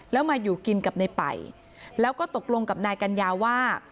แล้วมาอยู่กินกับในป่ายแล้วก็ตกลงกับนายกัญญาว่า